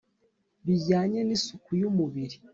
bijyanye n’isuku y’umubiri,